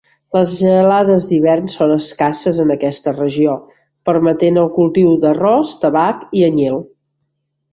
Les gelades d'hivern són escasses en aquesta regió, permetent el cultiu d'arròs, tabac, i anyil.